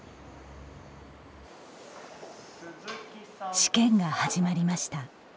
試験が始まりました。